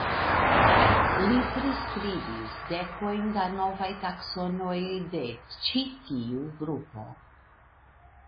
Li priskribis dekojn da novaj taksonoj de ĉi tiu grupo.